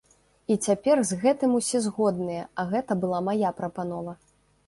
І цяпер з гэтым усе згодныя, а гэта была мая прапанова.